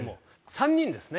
３人ですね。